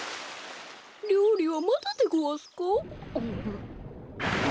りょうりはまだでごわすか？